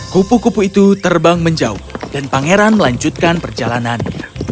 kupu kupu itu terbang menjauh dan pangeran melanjutkan perjalanannya